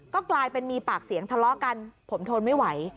ก็กลายเป็นมีปากเสียงทะเลาะกันผมทนไม่ไหว